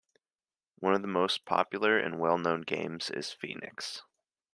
One of the most popular and well-known games is Phoenix.